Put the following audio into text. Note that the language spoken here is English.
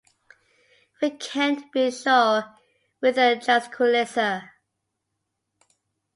We can't be sure with a tranquillizer.